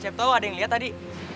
siap tau ada yang liat tadi